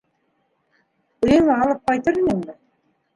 Өйөңә алып ҡайтыр инеңме?